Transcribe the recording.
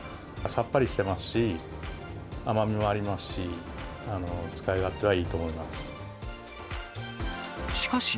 さっぱりしていますし、甘みもありますし、使い勝手はいいと思います。